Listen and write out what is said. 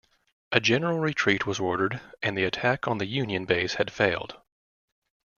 A general retreat was ordered, and the attack on the Union base had failed.